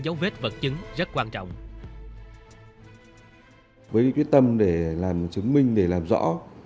dấu vết vật chứng rất quan trọng với quyết tâm để làm chứng minh để làm rõ